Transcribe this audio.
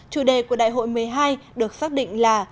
chủ đề của đại hội một mươi hai được xác định là